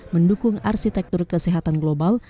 mendukung arsitektur kesehatan global